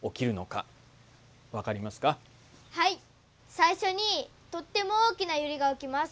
最初にとっても大きなゆれが起きます。